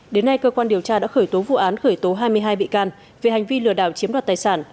đến nay cơ quan điều tra đã khởi tố vụ án khởi tố hai mươi hai bị can về hành vi lừa đảo chiếm đoạt tài sản